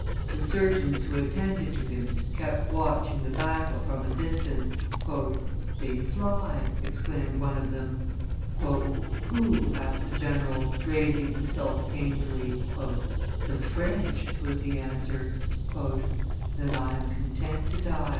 The surgeons who attended to him kept watching the battle from a distance. "They fly," exclaimed one of them. "Who?" asked the general, raising himself painfully. "The French!" was the answer. "Then I am content to die."